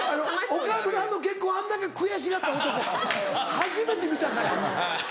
岡村の結婚あんだけ悔しがった男初めて見たから。